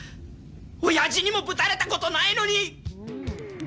おやじにもぶたれたことないのに。